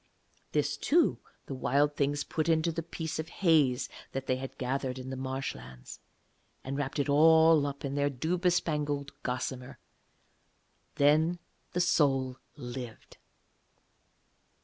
This, too, the Wild Things put into the piece of haze that they had gathered in the marshlands, and wrapped it all up in their dew bespangled gossamer. Then the soul lived.